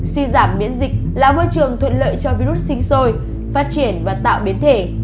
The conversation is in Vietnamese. suy giảm miễn dịch là môi trường thuận lợi cho virus sinh sôi phát triển và tạo biến thể